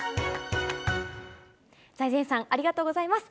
財前さん、ありがとうございます。